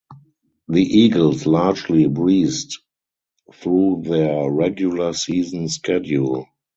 The Eagles largely breezed through their regular season schedule.